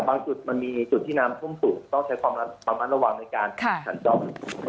แต่บางจุดมันมีจุดที่น้ำทุ่มสุดต้องใช้ความระวังในการถัดจอม